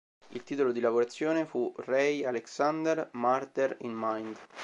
Il titolo di lavorazione fu "Ray Alexander: Murder in Mind".